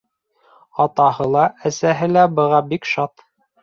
Атаһы ла, әсәһе лә быға бик шат.